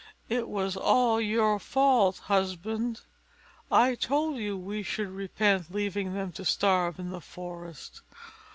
It was all your fault, husband! I told you we should repent leaving them to starve in the forest!